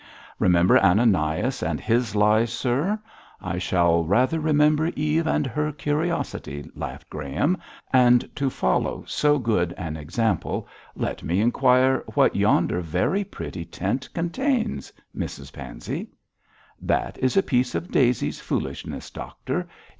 Remember Ananias and his lies, sir.' 'I shall rather remember Eve and her curiosity,' laughed Graham, 'and to follow so good an example let me inquire what yonder very pretty tent contains, Mrs Pansey?' 'That is a piece of Daisy's foolishness, doctor.